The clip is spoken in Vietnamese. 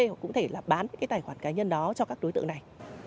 họ cũng có thể là bán những cái tài khoản cá nhân đó cho các đối tượng này